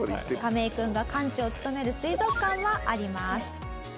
カメイ君が館長を務める水族館はあります。